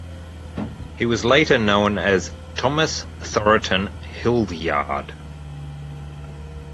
He was later known as Thomas Thoroton Hildyard.